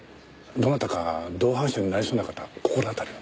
どなたか同伴者になりそうな方心当たりは？